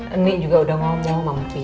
ini juga udah ngomong sama empi